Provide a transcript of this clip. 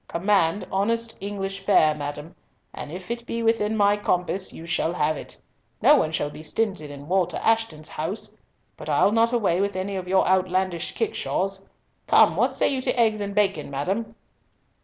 Command honest English fare, madam, and if it be within my compass, you shall have it. No one shall be stinted in Walter Ashton's house; but I'll not away with any of your outlandish kickshaws. Come, what say you to eggs and bacon, madam?"